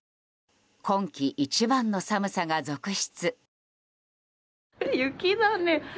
今季一番の寒さが続出。